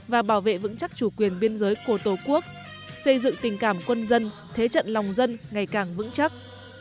và bảo vệ vững chắc chủ quyền biên giới của tổ quốc xây dựng tình cảm quân dân thế trận lòng dân ngày càng vững chắc